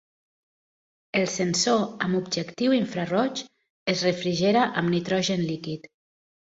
El sensor amb objectiu infraroig es refrigera amb nitrogen líquid.